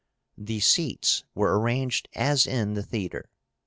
The seats were arranged as in the theatre.